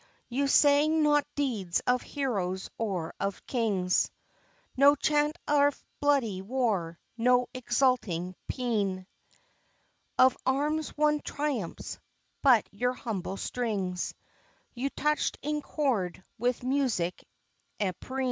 You sang not deeds of heroes or of kings; No chant of bloody war, no exulting pean Of arms won triumphs; but your humble strings You touched in chord with music empyrean.